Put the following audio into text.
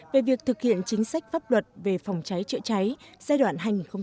về việc thực hiện chính sách pháp luật về phòng cháy chữa cháy giai đoạn hai nghìn một mươi bốn hai nghìn một mươi tám